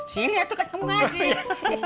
sini aturkan kamu kasih